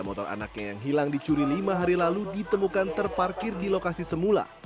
motor anaknya yang hilang dicuri lima hari lalu ditemukan terparkir di lokasi semula